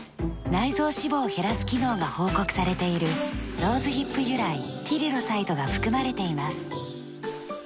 内臓脂肪を減らす機能が報告されているローズヒップ由来ティリロサイドが含まれています。